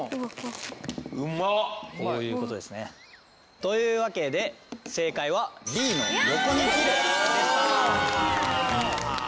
こういうことですね。というわけで正解はＢの横に切るでした。